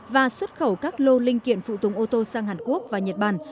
và xuất khẩu các lô linh kiện phụ tùng ô tô sang hàn quốc và nhật bản